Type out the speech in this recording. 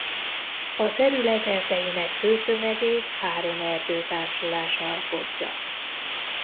A terület erdeinek fő tömegét három erdőtársulás alkotja.